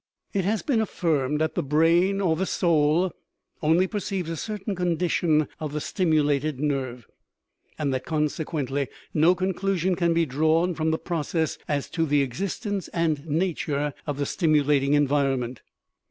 It has been affirmed that the brain, or the soul, only perceives a certain condition of the stimulated nerve, and that, consequently, no conclusion can be drawn from the process as to the existence and nature of the stimulating environment.